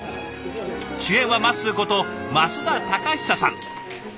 主演はまっすーこと増田貴久さん。